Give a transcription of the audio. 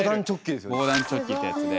防弾チョッキってやつで。